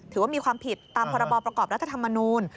ถือว่ามีความผิดตามพรบประกอบรัฐธรรมนูล